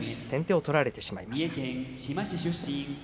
先手を取られてしまいました。